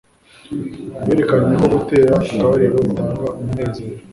bwerekanye ko gutera akabariro bitanga umunezero